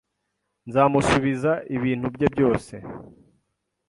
nzamusubiza ibintu bye byose